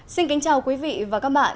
xin kính chào quý vị và các bạn